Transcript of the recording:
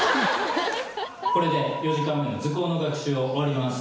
これで４時間目の図工の学習を終わります。